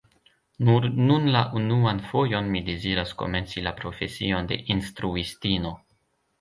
Nur nun la unuan fojon mi deziras komenci la profesion de instruistino.